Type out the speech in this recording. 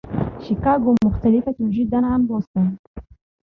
شيكاغو مختلفة جدا عن بوسطن.